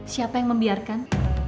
siapa yang membiarkan